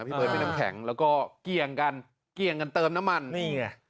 เบิร์ดพี่น้ำแข็งแล้วก็เกี่ยงกันเกี่ยงกันเติมน้ำมันนี่ไง